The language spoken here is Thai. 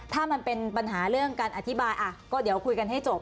ถ้ามันเป็นปัญหาเรื่องการอธิบายก็เดี๋ยวคุยกันให้จบ